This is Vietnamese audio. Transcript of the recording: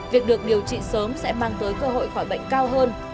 việc được điều trị sớm sẽ mang tới cơ hội khỏi bệnh cao hơn